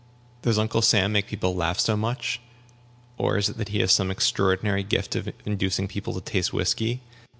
Does Uncle Sam make people laugh so much? or is it that he has some extraordinary gift of inducing people to taste whiskey?